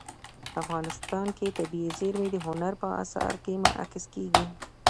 افغانستان کې طبیعي زیرمې د هنر په اثار کې منعکس کېږي.